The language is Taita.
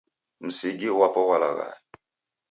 Msigi ghwapo ghwalaghaya